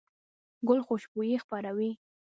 ګل خوشبويي خپروي.